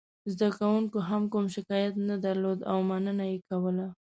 زده کوونکو هم کوم شکایت نه درلود او مننه یې کوله.